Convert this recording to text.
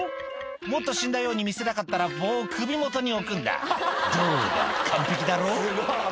「もっと死んだように見せたかったら棒を首元に置くんだどうだ完璧だろ」